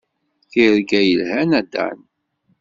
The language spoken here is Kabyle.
Tirga yelhan a Dan.